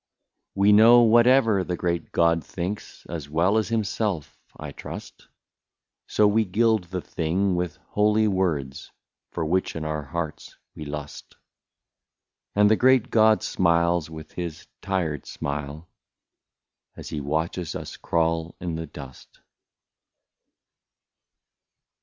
We know whatever the great God thinks, As well as himself, I trust, So we gild the thing with holy words, For which in our hearts we lust ; And the great God smiles with his tired smile. As he watches us crawl in the dust.